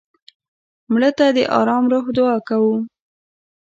مړه ته د ارام روح دعا کوو